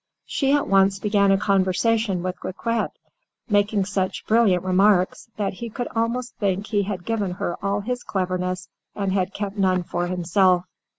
She at once began a conversation with Riquet, making such brilliant remarks, that he could almost think he had given her all his cleverness and had kept none for himself.